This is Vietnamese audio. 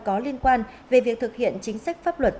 có liên quan về việc thực hiện chính sách pháp luật